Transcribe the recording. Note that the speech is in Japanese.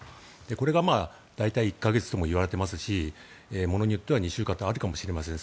これが大体１か月とも言われていますしものによっては２週間とかあるかもしれません。